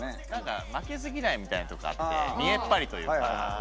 負けず嫌いみたいなところがあって見栄っ張りというか。